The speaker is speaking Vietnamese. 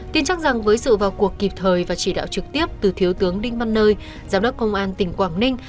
tin chắc rằng với sự vào cuộc kịp thời và chỉ đạo trực tiếp từ thiếu tướng đinh văn nơi giám đốc công an tỉnh quảng ninh